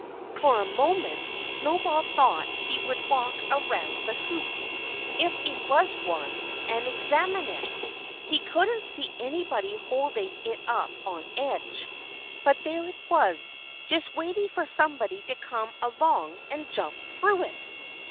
For a moment Snowball thought he would walk around the hoop if it was one and examine it. He couldn't see anybody holding it up on edge. But there it was, just waiting for somebody to come along and jump through it!